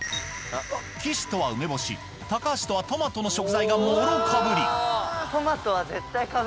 岸とは梅干し橋とはトマトの食材がもろかぶり